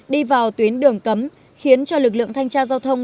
đi vào tuyến đường cấm khiến cho lực lượng thanh tra giao thông